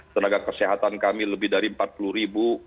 tenaga kesehatan kami lebih dari empat puluh ribu